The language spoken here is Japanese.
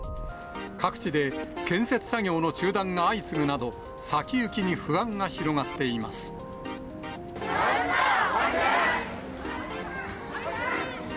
各地で検察作業の中断が相次ぐなど先行きに不安が広がっています。